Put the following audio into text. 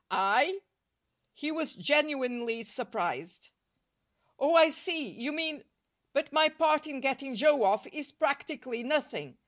"I?" He was genuinely surprised. "Oh, I see. You mean but my part in getting Joe off is practically nothing.